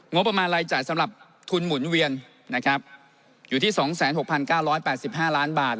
งบประมาณรายจ่ายสำหรับทุนหมุนเวียนอยู่ที่๒๖๙๘๕ล้านบาท